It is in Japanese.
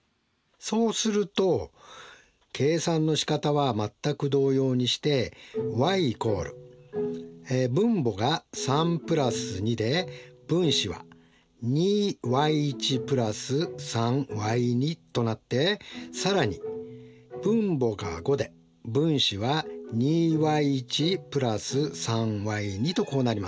そうすると計算のしかたは全く同様にしてｙ＝分母が３＋２で分子は２ｙ＋３ｙとなって更に分母が５で分子は２ｙ＋３ｙとこうなります。